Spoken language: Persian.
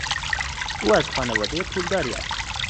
او از خانوادهی پولداری است.